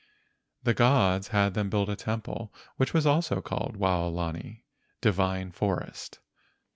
The gods had them build a temple which was also called Waolani (divine forest).